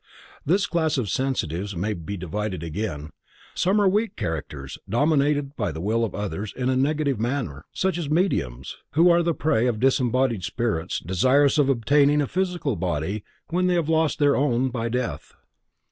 This class of sensitives may again be divided. Some are weak characters, dominated by the will of others in a negative manner, as mediums, who are the prey of disembodied spirits desirous of obtaining a physical body when they have lost their own by death.